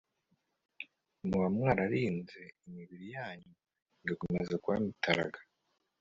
muba mwararinze imibiri yanyu igakomeza kuba mitaraga